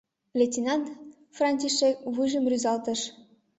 — Лейтенант Франтишек вуйжым рӱзалтыш.